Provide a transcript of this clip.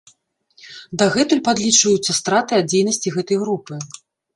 Дагэтуль падлічваюцца страты ад дзейнасці гэтай групы.